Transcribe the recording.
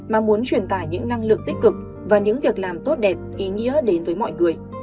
mà muốn truyền tải những năng lượng tích cực và những việc làm tốt đẹp ý nghĩa đến với mọi người